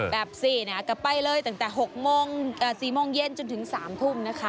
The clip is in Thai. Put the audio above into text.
แบบที่นี้กใบ้เลยนายตั้งแต่๖๔มเย็นจนจน๓ทุ่ม